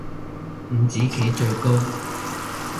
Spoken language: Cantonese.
五子棋最高